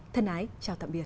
thân ái chào tạm biệt